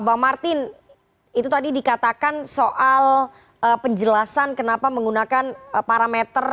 bang martin itu tadi dikatakan soal penjelasan kenapa menggunakan parameter